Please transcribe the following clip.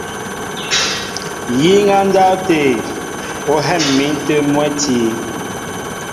Yíŋ á ndáw tê, ó hɛ̂m̀in tê mwɛ̌ti.